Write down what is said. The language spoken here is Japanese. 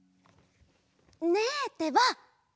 ねえってば！